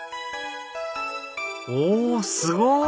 おすごい！